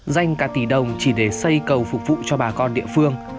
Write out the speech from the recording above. danh cả tỷ đồng chỉ để xây cầu phục vụ cho bà con địa phương